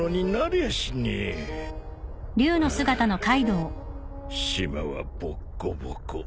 ハァ島はボッコボコ。